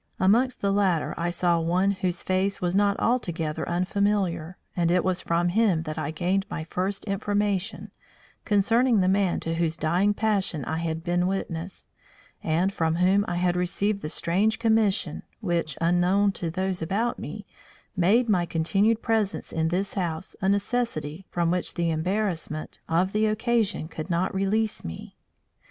Amongst the latter I saw one whose face was not altogether unfamiliar, and it was from him that I gained my first information concerning the man to whose dying passion I had been witness, and from whom I had received the strange commission which, unknown to those about me, made my continued presence in this house a necessity from which the embarrassment of the occasion could not release me.